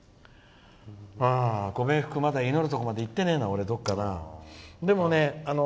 ご冥福、まだ祈るところまで行ってねえな、俺まだどっかで。